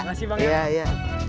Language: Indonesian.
makasih bang ya